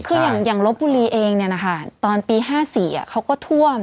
คืออย่างอย่างลบบุรีเองเนี่ยนะคะตอนปีห้าสี่อ่ะเขาก็ท่วม